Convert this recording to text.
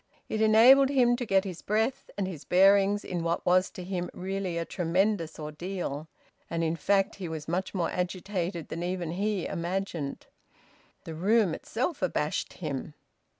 It enabled him to get his breath and his bearings in what was to him really a tremendous ordeal. And in fact he was much more agitated than even he imagined. The room itself abashed him.